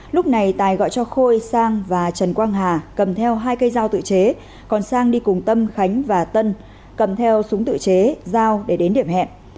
lúc này tài gọi cho khôi sang và trần quang hà cầm theo hai cây dao tự chế còn sang đi cùng tâm khánh và tân cầm theo súng tự chế dao để đến điểm hẹn